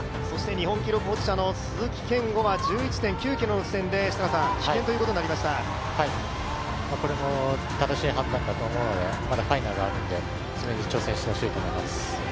日本記録保持者の鈴木健吾は１１．９ｋｍの地点でこれも正しい判断だと思うので、まだファイナルがあるのでそれに挑戦してほしいと思います。